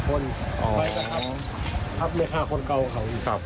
ก็เหตุของพังสนิทของคุณลุง